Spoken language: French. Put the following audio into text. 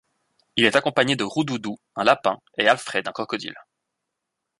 Il est accompagné de Roudoudou, un lapin, et Alfred, un crocodile.